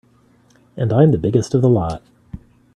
And I'm the biggest of the lot.